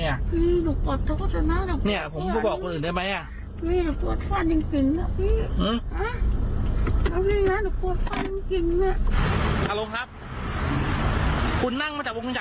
ไม่รู้เหมือนกันแต่ไกลอ่ะระยะทางอ่ะ